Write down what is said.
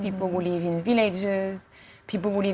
orang yang tinggal di wilayah